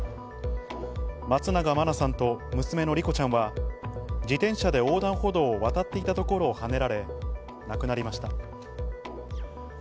松永真菜さんと娘の莉子ちゃんは自転車で横断歩道を渡っていたところをはねられ亡くなりました。